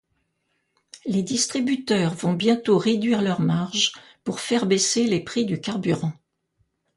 Les distributeurs vont bientôt réduire leurs marges pour faire baisser les prix du carburant.